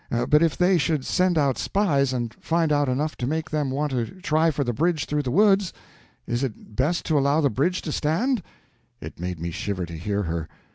But if they should send out spies, and find out enough to make them want to try for the bridge through the woods? Is it best to allow the bridge to stand?" It made me shiver to hear her.